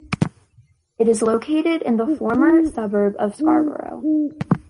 It is located in the former suburb of Scarborough.